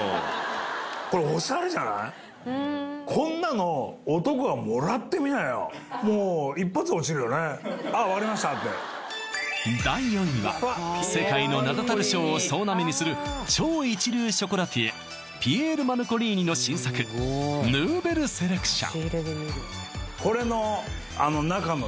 こんなの「ああ分かりました」って第４位は世界の名だたる賞を総なめにする超一流ショコラティエピエールマルコリーニの新作ヌーヴェルセレクション